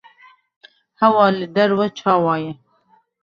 Hewa li derve çawa ye?